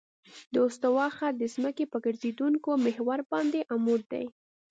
د استوا خط د ځمکې په ګرځېدونکي محور باندې عمود دی